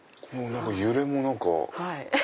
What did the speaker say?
揺れも何か。